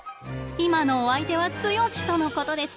今のお相手はツヨシとのことです。